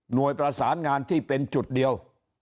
โดยประสานงานที่เป็นจุดเดียว